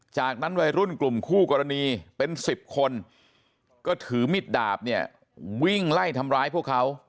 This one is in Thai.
จากนั้นวัยรุ่นกลุ่มคู่กรณีเป็น๑๐คนก็ถือมิดดาบเนี่ยวิ่งไล่ทำร้ายพวกเขา